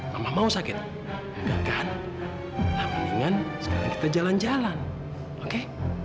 mama mau sakit enggak kan mendingan sekarang kita jalan jalan oke